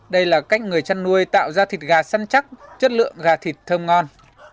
đây là cách người chăn nuôi tạo ra thịt gà săn chắc chất lượng gà thịt thơm ngon